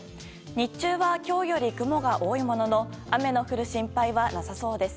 日中は今日より雲が多いものの雨の降る心配はなさそうです。